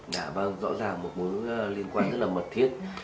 đã vâng rõ ràng một mối liên quan rất là mật thiết